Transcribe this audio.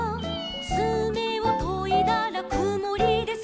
「つめをといだらくもりです」